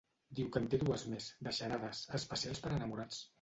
Diu que en té dues més, de xarades, especials per a enamorats.